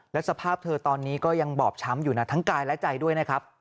แล้วสภาพเธอตอนนี้ก็ยังบอบช้ำอยู่นะทั้งกายและใจด้วยนะครับ